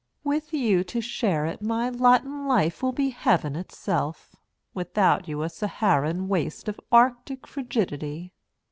With you to share it my lot in life will be heaven itself. Without you a Saharan waste of Arctic frigidity.